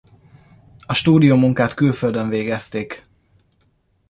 A stúdiómunkát külföldön végezték.